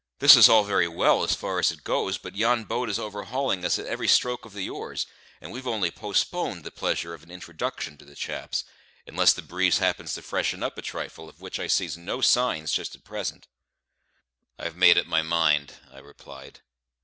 "This is all very well as far as it goes, but yon boat is overhauling us at every stroke of the oars, and we've only postponed the pleasure of an introduction to the chaps, unless the breeze happens to freshen up a trifle, of which I sees no signs just at present." "I've made up my mind," I replied.